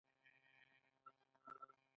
خو هغه نشي کولای هر څومره چې وغواړي کار زیات کړي